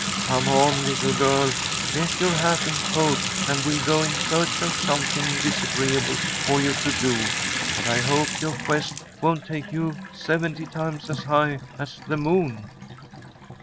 Come on, little girl, get your hat and coat, and we'll go in search of something disagreeable for you to do; but I hope your quest won't take you seventy times as high as the moon."